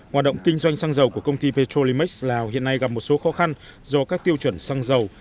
hoạt động kinh doanh xăng dầu của công ty petrolimax lào hiện nay gặp một số khó khăn do các tiêu chuẩn xăng dầu